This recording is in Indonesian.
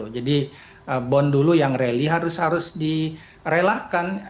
jadi bond dulu yang rally harus harus direlahkan